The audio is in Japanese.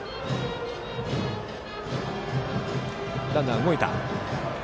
ランナーが動いた。